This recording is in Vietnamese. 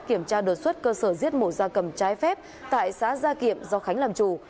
kiểm tra đột xuất cơ sở giết mổ da cầm trái phép tại xã gia kiệm do khánh làm chủ